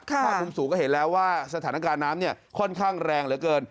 ภาพมุมสูงก็เห็นแล้วว่าสถานการณ์น้ำค่อนข้างแรงเหลือเกิน